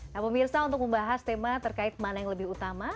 nah pemirsa untuk membahas tema terkait mana yang lebih utama